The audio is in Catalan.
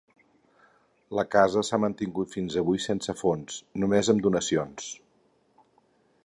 La casa s'ha mantingut fins avui sense fons, només amb donacions.